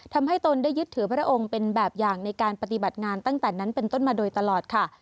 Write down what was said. ตนได้ยึดถือพระองค์เป็นแบบอย่างในการปฏิบัติงานตั้งแต่นั้นเป็นต้นมาโดยตลอดค่ะ